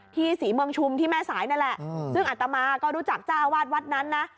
ศรีเมืองชุมที่แม่สายนั่นแหละซึ่งอัตมาก็รู้จักเจ้าอาวาสวัดนั้นนะ